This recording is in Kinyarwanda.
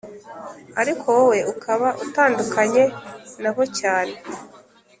ariko wowe ukaba utandukanye nabo cyane